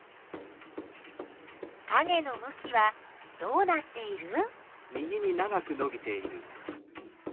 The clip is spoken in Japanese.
かげのむきはどうなっている？